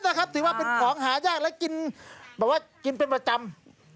บางพิมพ์รสชาติว่าเป็นของหาแยกแล้วกินแบบว่ากินเป็นประจำ